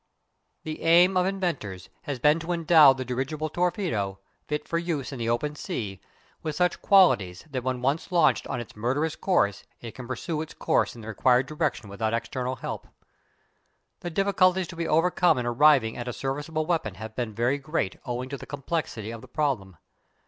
The aim of inventors has been to endow the dirigible torpedo, fit for use in the open sea, with such qualities that when once launched on its murderous course it can pursue its course in the required direction without external help. The difficulties to be overcome in arriving at a serviceable weapon have been very great owing to the complexity of the problem.